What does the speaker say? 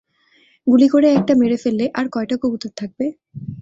গুলি করে একটা মেরে ফেললে, আর কয়টা কবুতর থাকবে?